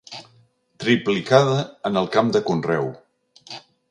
Triplicada en el camp de conreu.